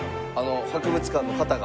博物館の方が。